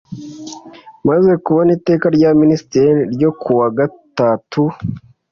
Amaze kubona Iteka rya Minisitiri n ryo kuwa gatatu